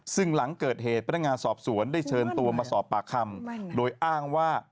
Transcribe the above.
ซึ่งหลังเกิดเหตุพนักงานสอบสวนได้เชิญตัวมาสอบปากคำโดยอ้างว่า